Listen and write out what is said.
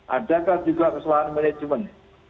adakah juga kesalahan manajemen